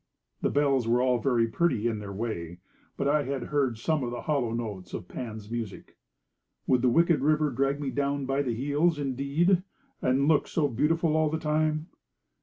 The bells were all very pretty in their way, but I had heard some of the hollow notes of Pan's music. Would the wicked river drag me down by the heels, indeed? and look so beautiful all the time?